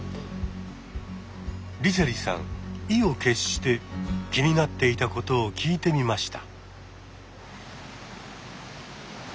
梨星さん意を決して気になっていたことを聞いてみました。